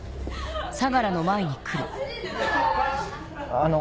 あの。